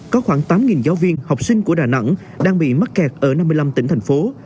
có khoảng tám giáo viên học sinh của đà nẵng đang bị mắc kẹt ở năm mươi năm tỉnh thành phố